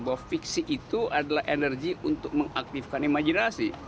bahwa fiksi itu adalah energi untuk mengaktifkan imajinasi